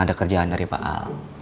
ada kerjaan dari pak a